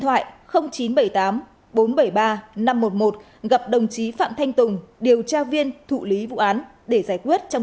thoại chín trăm bảy mươi tám bốn trăm bảy mươi ba năm trăm một mươi một gặp đồng chí phạm thanh tùng điều tra viên thụ lý vụ án để giải quyết trong